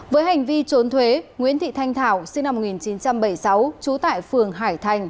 với hành vi trốn thuế nguyễn thị thanh thảo sinh năm một nghìn chín trăm bảy mươi sáu trú tại phường hải thành